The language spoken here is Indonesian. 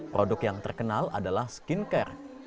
produk yang terkenal adalah skincare